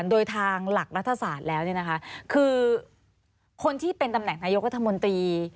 โดยทางหลักรัฐศาสตร์แล้วคือคนที่เป็นตำแหน่งนายกรัฐมนตรี